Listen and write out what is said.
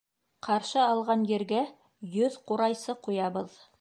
Ҡаршы алған ергә... йөҙ ҡурайсы ҡуябыҙ!